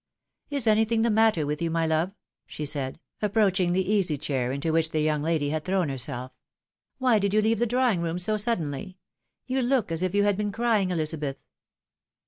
" Is anything the matter with you, my love ?" she said, approaching the easy chair into which the young lady liad 320 THE WIDOW MARRIED. thrown herself; "why did you leave the dra^v^ng room so suddenly ? You look as if you had been crying, EHzabeth."